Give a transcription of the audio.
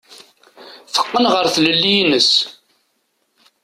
Teqqen ɣer tlelli-ines.